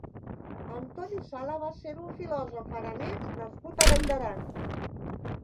Antoni Sala va ser un filòsof aranès nascut a Vall d’Aran.